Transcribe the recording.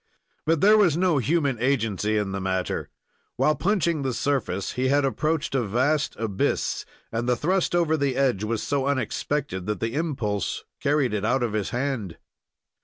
But there was no human agency in the matter. While punching the surface, he had approached a vast abyss, and the thrust over the edge was so unexpected that the impulse carried it out of his hand.